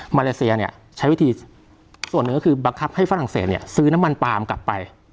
มาเลเซียเนี่ยใช้วิธีส่วนหนึ่งก็คือบังคับให้ฝรั่งเศสเนี่ยซื้อน้ำมันปลามกลับไป